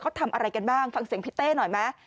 แล้วก็ทำอะไรกันบ้างฟังเสียงพี่เต้หน่อยมั้ย